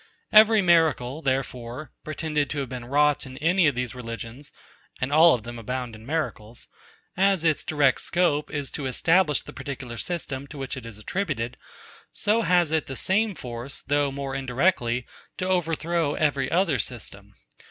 Every miracle, therefore, pretended to have been wrought in any of these religions (and all of them abound in miracles), as its direct scope is to establish the particular system to which it is attributed; so has it the same force, though more indirectly, to overthrow every other system.